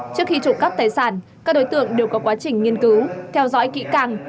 trước khi trụ cắp tài sản các đối tượng đều có quá trình nghiên cứu theo dõi kỹ càng